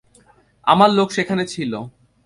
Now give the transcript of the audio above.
আমার লোক সেখানে ছিল।